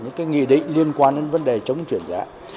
những nghị định liên quan đến vấn đề chống triển giá